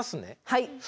はい。